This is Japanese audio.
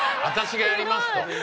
私がやりますと。